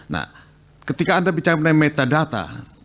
nah ketika anda bicara mengenai metadata